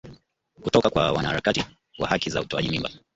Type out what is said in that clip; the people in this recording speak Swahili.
kutoka kwa wanaharakati wa haki za utoaji mimba